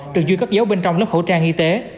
được duy cất dấu bên trong lớp khẩu trang y tế